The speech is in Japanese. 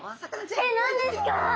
何ですか？